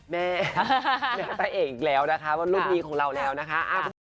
แม่แม่เอกอีกแล้วนะคะว่ารุ่นนี้ของเราแล้วนะคะ